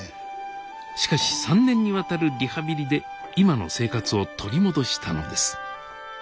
しかし３年にわたるリハビリで今の生活を取り戻したのです。